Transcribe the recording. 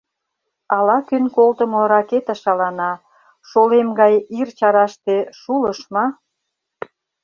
Ала-кӧн колтымо ракета шалана, Шолем гай ир чараште шулыш ма?